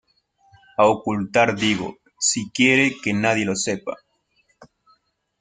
a ocultar digo. si quiere que nadie lo sepa .